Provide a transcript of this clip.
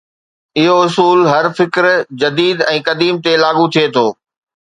اهو اصول هر فڪر، جديد ۽ قديم تي لاڳو ٿئي ٿو.